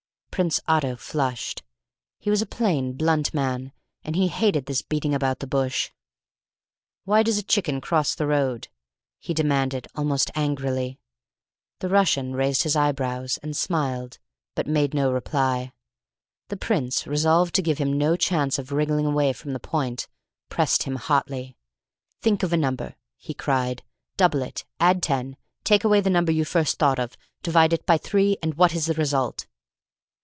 Prince Otto flushed. He was a plain, blunt man, and he hated this beating about the bush. "Why does a chicken cross the road?" he demanded, almost angrily. The Russian raised his eyebrows, and smiled, but made no reply. The prince, resolved to give him no chance of wriggling away from the point, pressed him hotly. "Think of a number," he cried. "Double it. Add ten. Take away the number you first thought of. Divide it by three, and what is the result?"